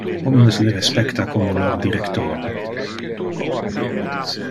Omnes le respecta como lor director.